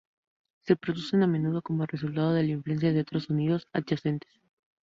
Se producen a menudo como resultado de la influencia de otros sonidos adyacentes.